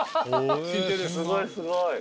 すごいすごい。